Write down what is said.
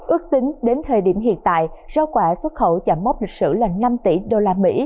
ước tính đến thời điểm hiện tại rau quả xuất khẩu chả mốt lịch sử là năm tỷ usd